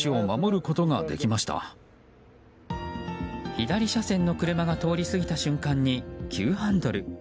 左車線の車が通り過ぎた瞬間に急ハンドル。